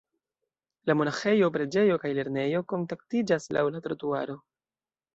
La monaĥejo, preĝejo kaj lernejo kontaktiĝas laŭ la trotuaro.